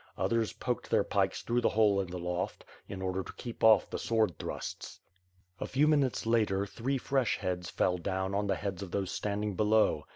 Others poked their pikes through the hole in the loft, in order to keep off the sword thrusts. A few minutes later, three fresh heads fell down on the heads of those standing below.